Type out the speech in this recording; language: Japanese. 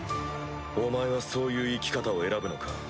お前はそういう生き方を選ぶのか？